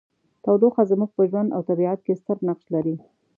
تودوخه زموږ په ژوند او طبیعت کې ستر نقش لري.